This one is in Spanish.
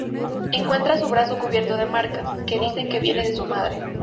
Encuentra su brazo cubierto de marcas, que dicen que viene de su madre.